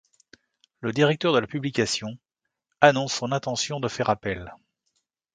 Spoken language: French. Le directeur de la publication annonce son intention de faire appel.